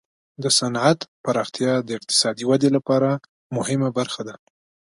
د صنعت پراختیا د اقتصادي ودې لپاره مهمه برخه ده.